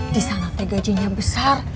disana te gajinya besar